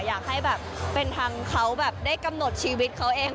อยากให้แบบเป็นทางเขาแบบได้กำหนดชีวิตเขาเอง